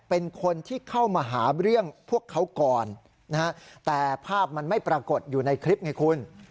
เป็นคนที่เข้ามาหาเรื่องพวกเขาก่อนนะฮะแต่ภาพมันไม่ปรากฏอยู่ในคลิปไงคุณ